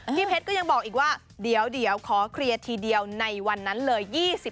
พี่เพชรก็ยังบอกอีกว่าเดี๋ยวขอเคลียร์ทีเดียวในวันนั้นเลย